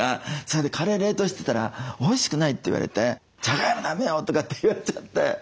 それでカレー冷凍してたら「おいしくない」って言われて「じゃがいもだめよ」とかって言われちゃって。